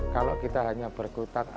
ketika kita hanya berkutat